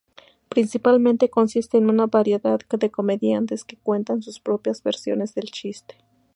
Principalmente consiste en una variedad de comediantes que cuentan sus propias versiones del chiste.